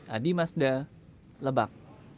adi mazda lebak